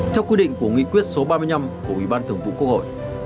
theo quy định của nghị quyết số ba mươi năm của ủy ban thường vụ quốc hội